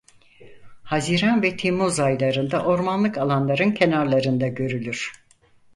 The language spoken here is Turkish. Haziran ve Temmuz aylarında ormanlık alanların kenarlarında görülür.